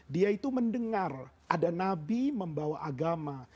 dia itu mendengar ada nabi membawa agama